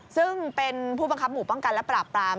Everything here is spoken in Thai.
ซึ่งเป็นผู้บังคับหมู่ป้องกันและปราบปราม